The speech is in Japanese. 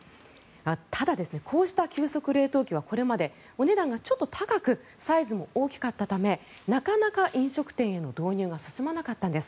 ただ、こうした急速冷凍機はお値段がちょっと高くサイズも大きかったためなかなか飲食店への導入が進まなかったんです。